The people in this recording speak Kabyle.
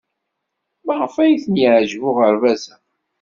Maɣef ay ten-yeɛjeb uɣerbaz-a?